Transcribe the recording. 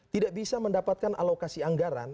tidak bisa mendapatkan alokasi anggaran